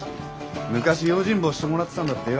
昔用心棒してもらってたんだってよ。